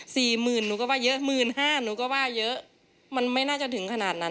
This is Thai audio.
สี่หมื่นหนูก็ว่าเยอะหมื่นห้าหนูก็ว่าเยอะมันไม่น่าจะถึงขนาดนั้น